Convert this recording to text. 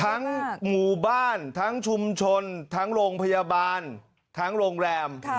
หมู่บ้านทั้งชุมชนทั้งโรงพยาบาลทั้งโรงแรม